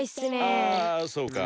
あそうか。